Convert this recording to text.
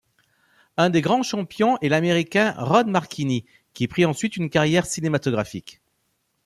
Un des grands champions est l'américain Ron Marchini, qui prit ensuite une carrière cinématographique.